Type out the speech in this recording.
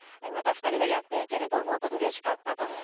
また２人でやっていけると思うと、うれしかったと。